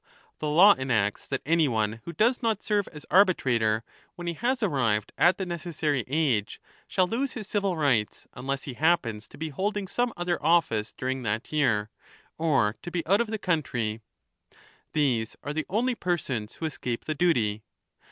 The law enacts that anyone who does not serve as Arbitrator when he has arrived at the necessary age shall lose his civil rights, unless he happens to be holding some other office during that year, or to be out of the country. These are the only persons who escape the duty.